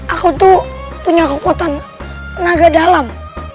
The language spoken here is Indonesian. aku tuh punya kekuatan tenaga dalam